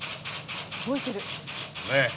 動いてる。